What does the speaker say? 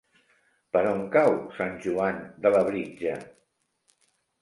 Per on cau Sant Joan de Labritja?